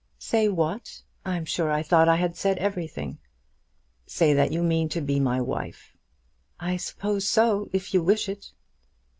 "Say what? I'm sure I thought I had said everything." "Say that you mean to be my wife." "I suppose so, if you wish it."